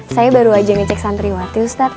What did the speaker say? saya baru aja ngecek santriwati ustadz